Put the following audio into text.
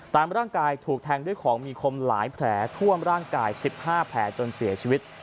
ตามร่างกายถูกแทงด้วยของมีคมหลายแผลท่วมร่างกาย๑๕แผลจนเสียชีวิต